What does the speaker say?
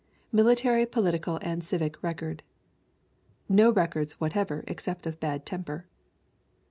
Military, political and civic record: No records whatever except of bad temper.